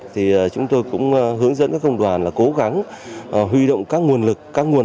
thì chúng tôi cũng hướng dẫn các công đoàn là cố gắng huy động các nguồn lực